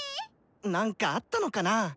何かあったのかな？